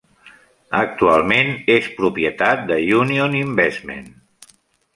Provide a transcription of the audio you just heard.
Actualment és propietat d'Union Investment.